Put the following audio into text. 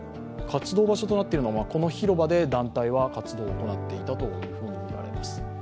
活動場所となっているのがこの広場で団体は活動を行っていたとみられます。